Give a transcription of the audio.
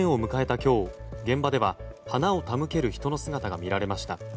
今日現場では、花を手向ける人の姿が見られました。